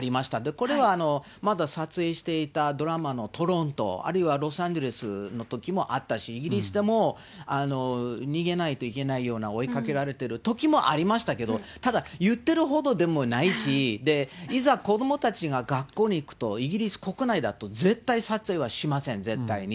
これはまだ撮影していたドラマのトロント、あるいはロサンゼルスのときもあったし、イギリスでも逃げないといけないような、追いかけられてるときもありましたけど、ただ、言ってるほどでもないし、いざ、子どもたちが学校に行くと、イギリス国内だと絶対撮影はしません、絶対に。